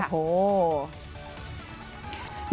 โอ้โห